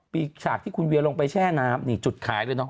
ฉากที่คุณเวียลงไปแช่น้ำนี่จุดขายเลยเนอ